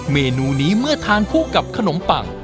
เมนูนี้เมื่อทานคู่กับขนมปัง